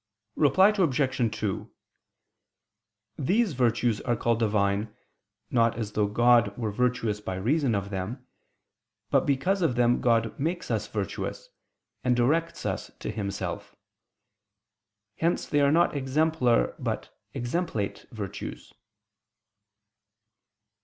Reply Obj. 2: These virtues are called Divine, not as though God were virtuous by reason of them, but because of them God makes us virtuous, and directs us to Himself. Hence they are not exemplar but exemplate virtues.